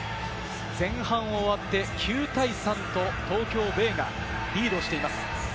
前半を終わって９対３と東京ベイがリードしています。